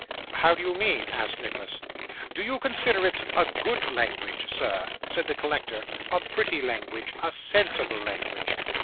'How do you mean?' asked Nicholas. 'Do you consider it a good language, sir?' said the collector; 'a pretty language, a sensible language?